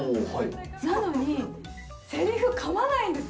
なのに、せりふかまないんです。